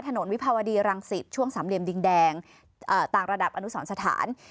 วิภาวดีรังสิตช่วงสามเหลี่ยมดินแดงต่างระดับอนุสรสถาน